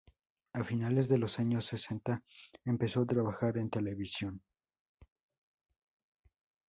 A finales de los años sesenta empezó a trabajar en televisión.